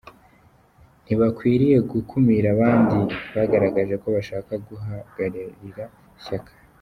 Ntibakwiriye gukumira abandi bagaragaje ko bashaka guhagararira ishyaka.